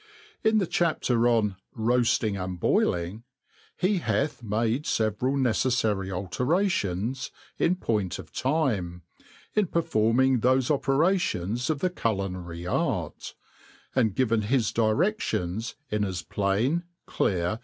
In the Chapter on Roafting and Boiling, be hatb made fever al neceffary alterations^ in point of time, in per forming thofe operations of the Culinary Art ; and given bis direSions in as plain^ clear y